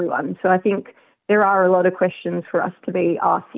jadi saya pikir ada banyak pertanyaan untuk kita tanya